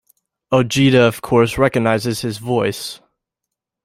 Ojeda of course recognizes his voice.